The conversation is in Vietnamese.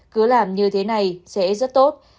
cứ làm như thế này sẽ rất tốt